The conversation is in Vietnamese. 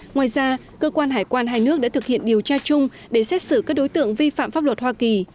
ngoài ra cơ quan hải quan hai nước đã thực hiện điều tra chung để xét xử các đối tượng vi phạm pháp luật hoa kỳ